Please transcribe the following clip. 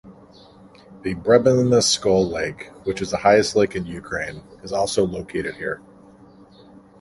The Brebeneskul Lake, which is the highest lake in Ukraine, is also located here.